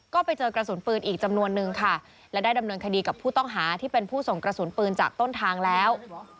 ก็ไปเจอกระสุนปืนอีกจำนวนนึงค่ะและได้ดำเนินคดีกับผู้ต้องหาที่เป็นผู้ส่งกระสุนปืนจากต้นทางแล้ว